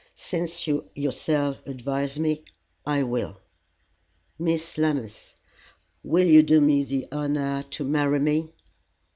"Since you yourself advise me, I will. Miss Lammas, will you do me the honor to marry me?"